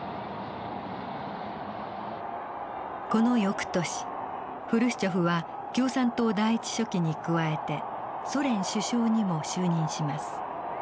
この翌年フルシチョフは共産党第１書記に加えてソ連首相にも就任します。